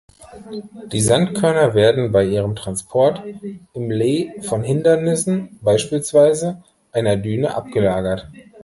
Die Sandkörner werden bei ihrem Transport im Lee von Hindernissen, beispielsweise einer Düne, abgelagert.